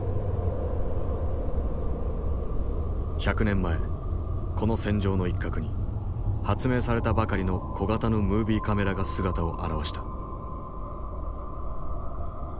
百年前この戦場の一角に発明されたばかりの小型のムービーカメラが姿を現した。